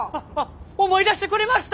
思い出してくれました？